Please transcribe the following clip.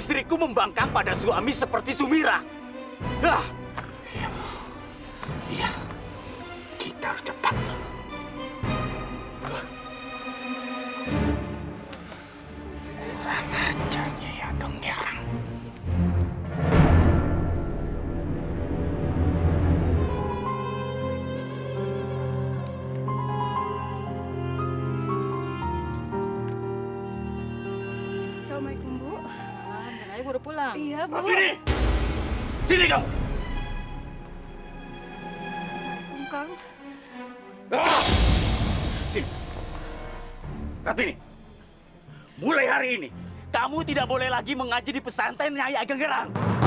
sampai jumpa di video selanjutnya